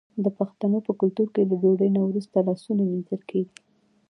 د پښتنو په کلتور کې د ډوډۍ نه وروسته لاسونه مینځل کیږي.